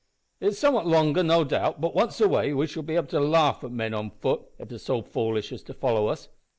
It is somewhat longer, no doubt, but once away, we shall be able to laugh at men on foot if they are so foolish as to follow us.